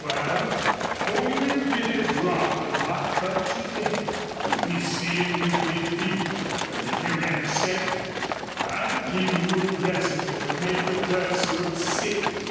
"Wal, the only bitter drop in my cup to day will be seein' you get beat. But if you ran second I'll give you a present thet'll make the purse look sick."